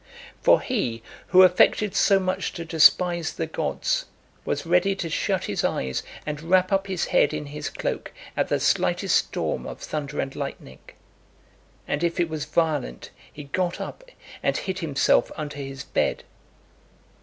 For he, who affected so (286) much to despise the gods, was ready to shut his eyes, and wrap up his head in his cloak at the slightest storm of thunder and lightning; and if it was violent, he got up and hid himself under his bed.